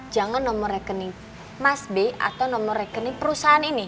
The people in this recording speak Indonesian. jangan nomor rekening mass b atau nomor rekening perusahaan ini